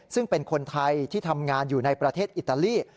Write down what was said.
ซึ่งเป็นคนไทยที่ทำงานอยู่ในประเทศอิตาลี